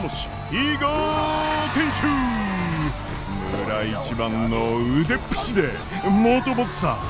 村一番の腕っぷしで元ボクサー！